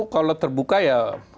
kalau terbuka ya